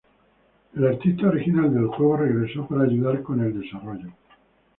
El artista original del juego regresó para ayudar con el desarrollo.